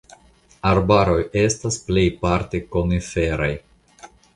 Arbaroj estas plejparte koniferaj.